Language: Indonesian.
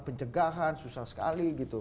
pencegahan susah sekali gitu